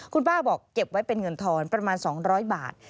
คุณป้าบอกเก็บไว้เป็นเงินทอนประมาณ๒๐๐บาท